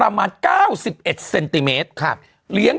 อ้าวหน้าปลาไหล